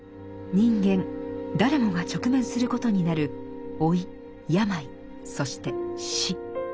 人間誰もが直面することになる老い病そして死。